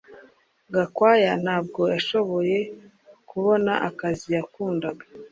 Gakwaya ntabwo yashoboye kubona akazi yakundaga